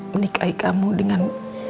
menikahi kamu dengan